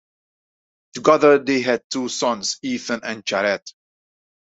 Together they had two sons, Ethan and Jared.